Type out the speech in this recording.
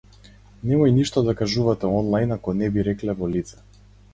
Немој ништо да кажувате онлајн ако не би рекле во лице.